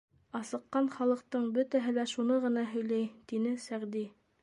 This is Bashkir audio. Асыҡҡан халыҡтың бөтәһе лә шуны ғына һөйләй, — тине Сәғди.